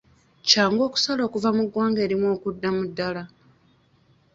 Kyangu okusala okuva mu ggwanga erimu okudda mu ddala?